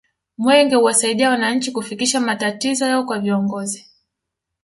mwenge huwasaidia wananchi kufikisha matatizo yao kwa viongozi